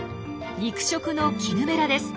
肉食のキヌベラです。